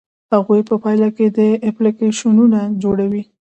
هغوی په پایله کې اپلیکیشنونه جوړوي.